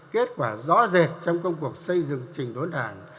kết quả rõ rệt trong công cuộc xây dựng trình đốn đảng